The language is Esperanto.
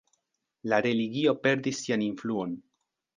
La religio perdis sian influon.